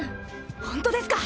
ホントですか！？